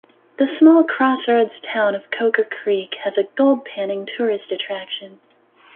The small crossroads town of Coker Creek has a gold-panning tourist attraction.